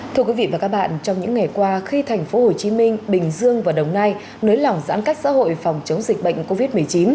thưa quý vị và các bạn trong những ngày qua khi thành phố hồ chí minh bình dương và đồng nai nới lỏng giãn cách xã hội phòng chống dịch bệnh covid một mươi chín